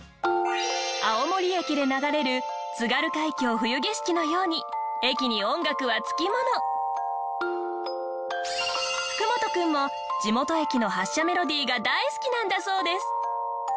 青森駅で流れる『津軽海峡・冬景色』のように福本君も地元駅の発車メロディーが大好きなんだそうです。